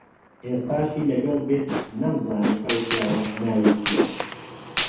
ئێستاشی لەگەڵ بێت نەمزانی ئەو پیاوە ناوی چییە.